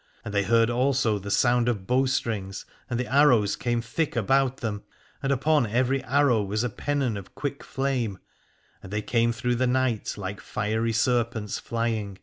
And they heard also the sound of bowstrings, and the arrows came thick about them : and upon every arrow was a pennon of quick flame, and they came through the night like fiery serpents flying.